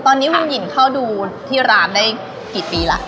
ตอนนี้คุณหญิงเข้าดูที่ร้านได้กี่ปีแล้ว